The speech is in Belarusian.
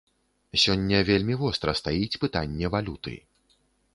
Сёння вельмі востра стаіць пытанне валюты.